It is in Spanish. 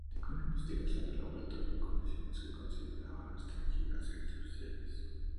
Criticó la investigación de laboratorio en condiciones que consideraba restringidas y artificiales.